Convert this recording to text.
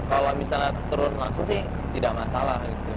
kalau misalnya turun langsung sih tidak masalah